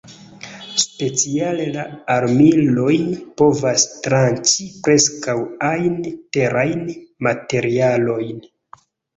Speciale la armiloj povas tranĉi preskaŭ ajn terajn materialojn.